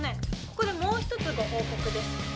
ここでもう一つご報告です。